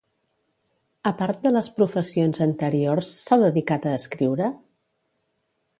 A part de les professions anteriors s'ha dedicat a escriure?